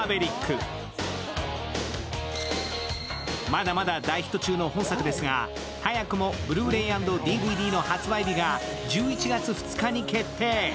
まだまだ大ヒット中の本作ですが、早くもブルーレイ＆ＤＶＤの発売日が１１月２日に決定。